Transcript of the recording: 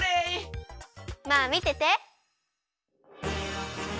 まあみてて。